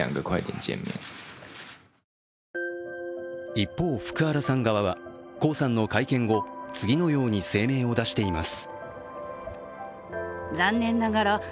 一方、福原さん側は江さんの会見後、次のように声明を出しています。